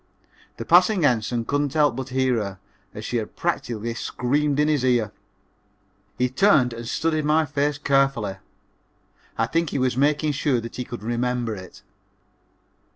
The passing ensign couldn't help but hear her, as she had practically screamed in his ear. He turned and studied my face carefully. I think he was making sure that he could remember it.